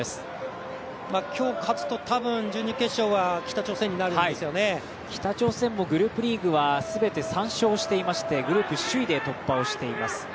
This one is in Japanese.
今日勝つと、多分準々決勝は北朝鮮もグループリーグは全て３勝していましてグループ首位で突破をしています。